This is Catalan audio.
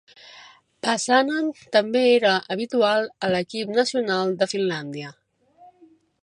Pasanen també era habitual a l'equip nacional de Finlàndia.